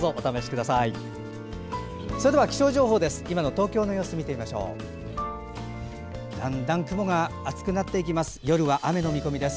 だんだん雲が厚くなっていきます。